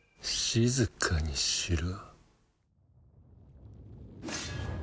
静かにしろ。